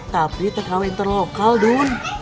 tapi tkw interlokal dun